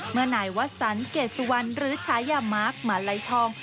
เมื่อไหนวัดสันเกษวัณหรือชายามาร์คมาลัยทอง